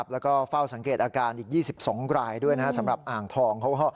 แล้วก็เฝ้าสังเกตอาการอีก๒๒รายด้วยสำหรับอ่างทอง